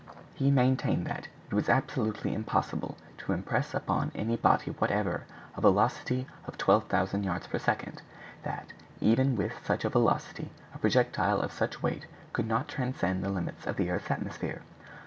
He maintained that it was absolutely impossible to impress upon any body whatever a velocity of 12,000 yards per second; that even with such a velocity a projectile of such a weight could not transcend the limits of the earth's atmosphere.